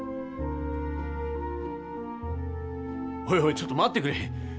おいおいちょっと待ってくれ。